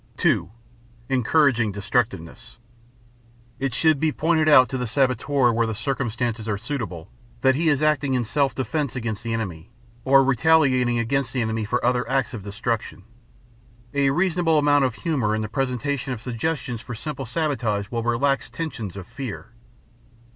(2) Encouraging Destructiveness It should be pointed out to the saboteur where the circumstances are suitable, that he is acting in self defense against the enemy, or retaliating against the enemy for other acts of destruction. A reasonable amount of humor in the presentation of suggestions for simple sabotage will relax tensions of fear.